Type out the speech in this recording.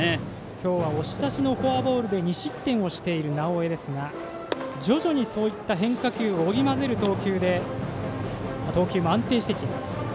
今日は押し出しのフォアボールで２失点をしている直江ですが徐々にそういった変化球を織り交ぜる投球で安定してきています。